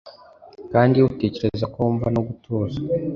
kandi utekereza ko wumva no gutuza